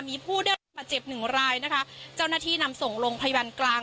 มีผู้ได้รับบาดเจ็บหนึ่งรายนะคะเจ้าหน้าที่นำส่งโรงพยาบาลกลาง